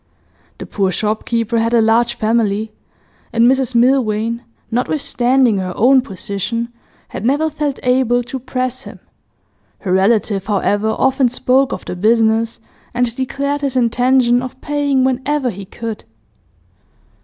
The poor shopkeeper had a large family, and Mrs Milvain, notwithstanding her own position, had never felt able to press him; her relative, however, often spoke of the business, and declared his intention of paying whenever he could.